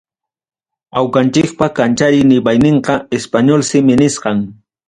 Awqanchikpa kanchariy rimayninqa español simi nisqam.